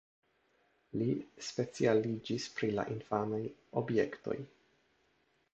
Li specialiĝis pri la infanaj objektoj.